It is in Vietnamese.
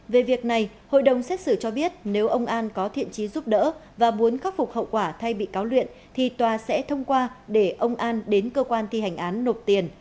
về việc này hội đồng xét xử cho biết nếu ông an có thiện trí giúp đỡ và muốn khắc phục hậu quả thay bị cáo luyện thì tòa sẽ thông qua để ông an đến cơ quan thi hành án nộp tiền